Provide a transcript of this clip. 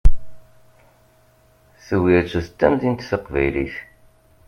Tubiret d tamdint taqbaylit.